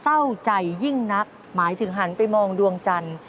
เศร้าใจยิ่งนักหมายถึงหันไปมองดวงจันทร์